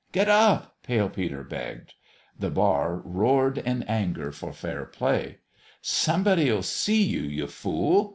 " Get up !" Pale Peter begged. The bar roared in anger for fair play " Somebody'll see you, you fool